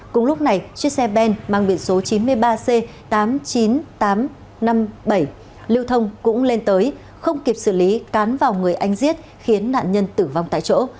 cùng lúc này chiếc xe ben mang biển số chín mươi ba c tám mươi chín nghìn tám trăm năm mươi bảy lưu thông cũng lên tới không kịp xử lý cán vào người anh giết khiến nạn nhân tử vong tại chỗ